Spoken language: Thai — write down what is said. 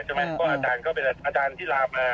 อาจารย์ก็เป็นอาจารย์ที่ราบมา